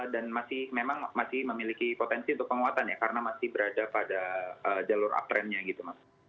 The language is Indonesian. dan memang masih memiliki potensi untuk penguatan ya karena masih berada pada jalur uptrendnya gitu mas